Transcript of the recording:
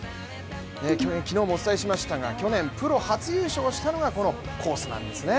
今日昨日もお伝えしましたが去年、プロ初優勝したのがこのコースなんですね。